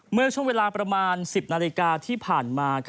เมื่อช่วงเวลาประมาณ๑๐นาฬิกาที่ผ่านมา